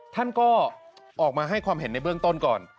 ท่านก็ออกมาให้ความเห็นในเบื้องต้นก่อน